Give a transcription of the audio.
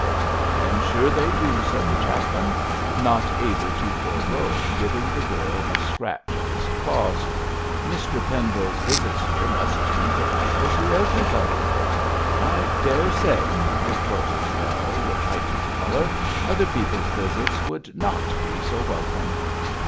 'I am sure they do,' said the chaplain, not able to forego giving the girl a scratch of his claws. 'Mr Pendle's visits here must be delightful to everybody.' 'I daresay,' retorted Bell, with heightened colour, 'other people's visits would not be so welcome.'